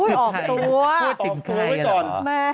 พูดถึงใครกันเหรอ